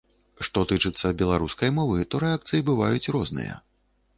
Што тычыцца беларускай мовы, то рэакцыі бываюць розныя.